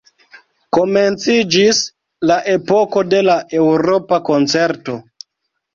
Komenciĝis la epoko de la Eŭropa Koncerto.